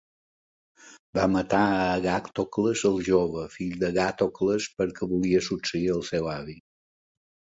Va matar a Agàtocles el jove, fill d'Agàtocles, perquè volia succeir al seu avi.